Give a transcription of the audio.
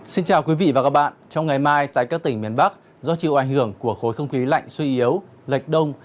xin chào quý vị và các bạn trong ngày mai tại các tỉnh miền bắc do chịu ảnh hưởng của khối không khí lạnh suy yếu lệch đông